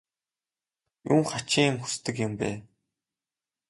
Юун хачин юм хүсдэг юм бэ?